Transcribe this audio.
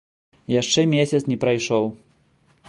Яшчэ месяц не прайшоў.